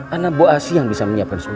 ada bu asi yang bisa menyiapkan semua